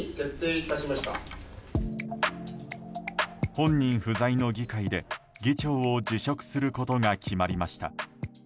本人不在の議会で議長を辞職することが決まりました。